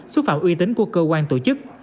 xúc phạm uy tín của cơ quan tổ chức